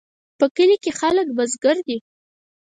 په کلي کې خلک بزګر دي